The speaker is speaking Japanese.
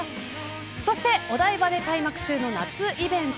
そして、お台場で開幕中の夏イベント